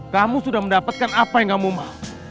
kamu sudah mendapatkan apa yang kamu mau